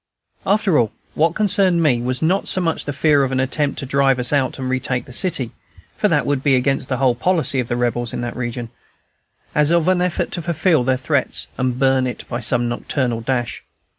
After all, what concerned me was not so much the fear of an attempt to drive us out and retake the city, for that would be against the whole policy of the Rebels in that region, as of an effort to fulfil their threats and burn it, by some nocturnal dash.